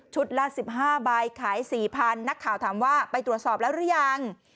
ชุดละสิบห้าใบขายสี่พันนักข่าวถามว่าไปตรวจสอบแล้วหรือยัง